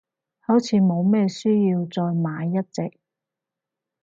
好似冇咩需要再買一隻，